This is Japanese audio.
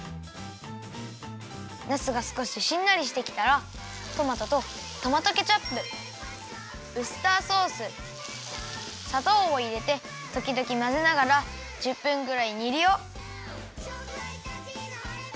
なすがすこししんなりしてきたらトマトとトマトケチャップウスターソースさとうをいれてときどきまぜながら１０分ぐらいにるよ。